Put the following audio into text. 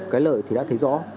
cái lợi thì đã thấy rõ